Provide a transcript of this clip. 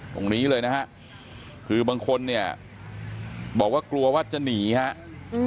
ตรงนี้เลยนะฮะคือบางคนเนี่ยบอกว่ากลัวว่าจะหนีครับ